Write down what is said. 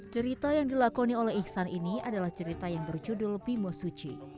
cerita yang dilakoni oleh iksan ini adalah cerita yang berjudul bimo suci